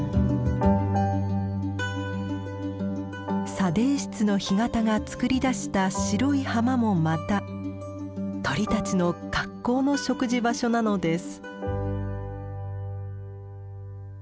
砂泥質の干潟がつくり出した白い浜もまた鳥たちの格好の食事場所なのです。